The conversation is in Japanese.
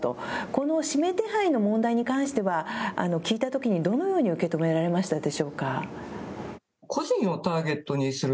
この指名手配の問題に関しては聞いた時に、どのように受け止められましたか。